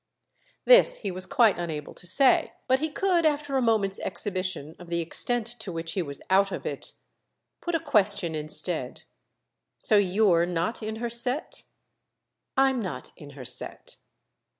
This he was quite unable to say; but he could after a moment's exhibition of the extent to which he was out of it put a question instead. "So you're not in her set?" "I'm not in her set."